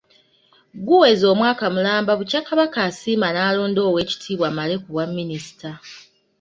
Guweze omwaka mulamba bukya Kabaka asiima n'alonda Oweekitiibwa Male ku bwa minisita.